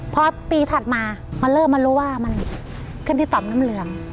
พอปีถัดมามันเริ่มมารู้ว่ามันขึ้นที่ต่อมน้ำเหลือง